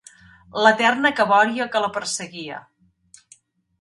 L'eterna cabòria que la perseguia.